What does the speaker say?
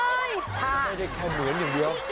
ไม่ได้แค่เหมือนอย่างเดียว